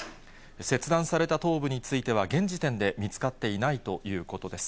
切断された頭部については、現時点で見つかっていないということです。